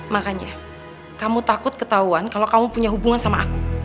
makanya kamu takut ketahuan kalau kamu punya hubungan sama aku